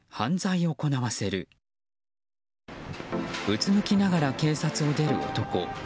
うつむきながら警察を出る男。